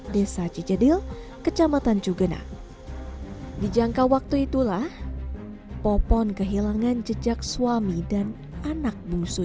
desa cicadil kecamatan jugena dijangka waktu itulah popon kehilangan jejak suami dan anak